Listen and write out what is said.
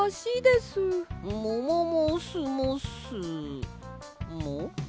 もももすもすも？